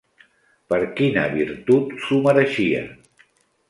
Per quina virtut s'ho mereixia?